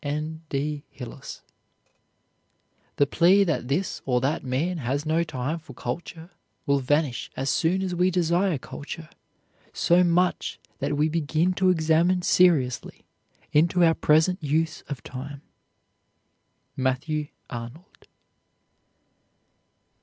N. D. HILLIS. The plea that this or that man has no time for culture will vanish as soon as we desire culture so much that we begin to examine seriously into our present use of time. MATTHEW ARNOLD.